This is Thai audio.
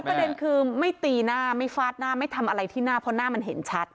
ประเด็นคือไม่ตีหน้าไม่ฟาดหน้าไม่ทำอะไรที่หน้าเพราะหน้ามันเห็นชัด